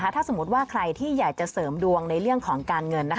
ถ้าสมมุติว่าใครที่อยากจะเสริมดวงในเรื่องของการเงิน